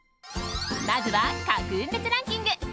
まずは各運別ランキング。